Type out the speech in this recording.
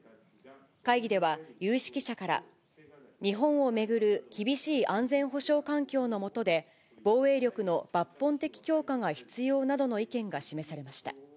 会議では、有識者から、日本を巡る厳しい安全保障環境のもとで、防衛力の抜本的強化が必要などの意見が示されました。